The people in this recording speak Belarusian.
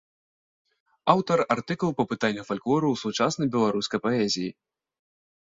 Аўтар артыкулаў па пытаннях фальклору ў сучаснай беларускай паэзіі.